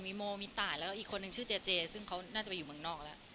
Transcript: มีโมมีตายแล้วอีกคนนึงชื่อเจเจซึ่งเขาน่าจะไปอยู่เมืองนอกแล้ว